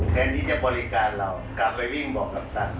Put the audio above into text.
แทนที่จะบริการเรากลับไปวิ่งบอกกัปตัน